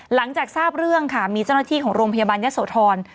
หลังจากทราบเรื่องค่ะมีเจ้าหน้าที่ของโรงพยาบาลยะโสธร